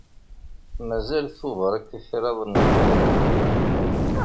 Mazal Tubeṛ akka kraḍ n wagguren.